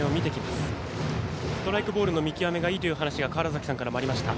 ストライク、ボールの見極めがいいという話が川原崎さんからもありました。